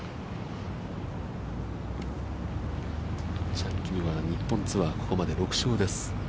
チャン・キムは日本ツアー、ここまで６勝です。